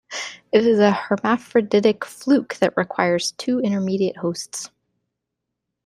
It is a hermaphroditic fluke that requires two intermediate hosts.